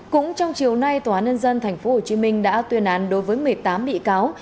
cũng trong chiều nay tnnd tp hcm đã tuyên án đối với một mươi tám bị cáo